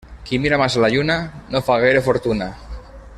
Qui mira massa la lluna no farà gaire fortuna.